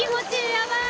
やばい！